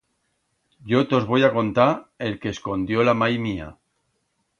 Yo tos voi a contar el que escondió la mai mía.